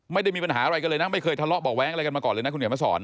ไม่ได้มีปัญหาอะไรกันเลยนะไม่เคยทะเลาะเบาะแว้งอะไรกันมาก่อนเลยนะคุณเขียนมาสอน